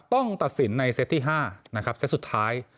ต้องตัดสินในเซตที่๕นะครับเซตสุดท้าย